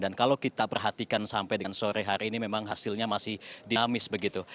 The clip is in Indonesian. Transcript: dan kalau kita perhatikan sampai dengan sore hari ini memang hasilnya masih dinamis begitu